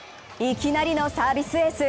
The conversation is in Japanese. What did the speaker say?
いきなりのサービスエース。